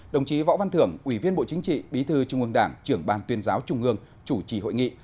đồng chí võ văn thưởng ủy viên bộ chính trị bí thư trung ương đảng trưởng ban tuyên giáo trung ương chủ trì hội nghị